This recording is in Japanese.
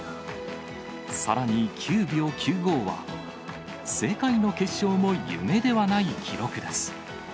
さらに９秒９５は、世界の決勝も夢ではない記録です。